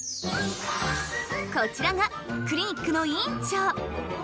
こちらがクリニックの院長。